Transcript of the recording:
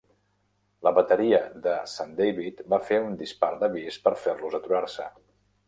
La bateria de St. David va fer un dispar d'avís per fer-los aturar-se.